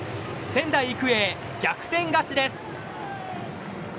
仙台育英、逆転勝ちです。